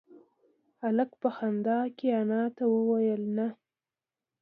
هلک په خندا کې انا ته وویل نه.